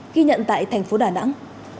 ghi nhận tại thành phố đà nẵng